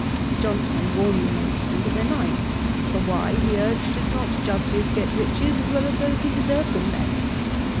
Johnson warmly maintained that they might. 'For why (he urged) should not Judges get riches, as well as those who deserve them less?'